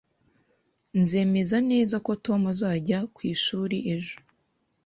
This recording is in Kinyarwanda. Nzemeza neza ko Tom azajya ku ishuri ejo